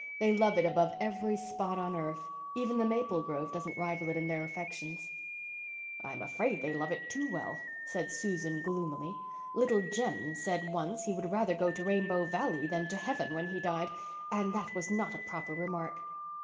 They love it above every spot on earth. Even the maple grove doesn't rival it in their affections." "I am afraid they love it too well," said Susan gloomily. "Little Jem said once he would rather go to Rainbow Valley than to heaven when he died, and that was not a proper remark."